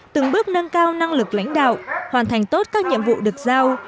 từng bước nâng cao năng lực lãnh đạo hoàn thành tốt các nhiệm vụ được giao